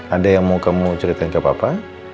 ada yang mau kamu ceritain ke papa